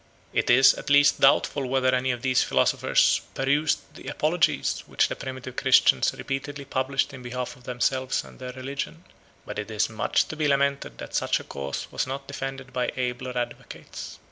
] It is at least doubtful whether any of these philosophers perused the apologies 1911 which the primitive Christians repeatedly published in behalf of themselves and of their religion; but it is much to be lamented that such a cause was not defended by abler advocates.